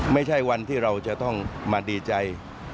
ไม่ใช่วันที่เราจะต้องมาดีใจ